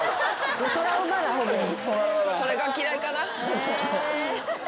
それが嫌いかな。